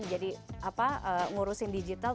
jadi ngurusin digital